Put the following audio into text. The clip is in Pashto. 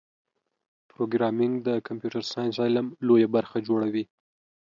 پروګرامېنګ د کمپیوټر ساینس علم لویه برخه جوړوي.